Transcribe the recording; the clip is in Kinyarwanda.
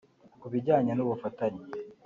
Ku bijyanye n’ubufatanye